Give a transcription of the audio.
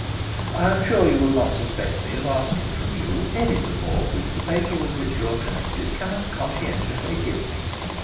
'I am sure you will not suspect me of asking from you any support which the paper with which you are connected cannot conscientiously give me.